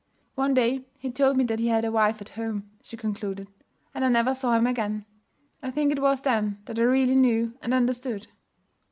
'One day he told me that he had a wife at home,' she concluded; 'and I never saw him again. I think it was then that I really knew and understood.'